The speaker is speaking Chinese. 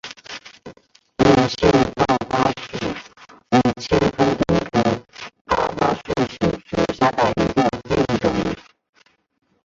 有腺泡花树为清风藤科泡花树属下的一个变种。